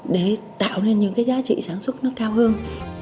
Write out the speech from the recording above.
để tạo nên những cái giá trị sản xuất nó cao hơn